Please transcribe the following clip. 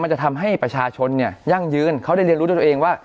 จะทำให้ประชาชนเนี่ยยั่งยืนเขาได้เรียนรู้ด้วยตัวเองว่า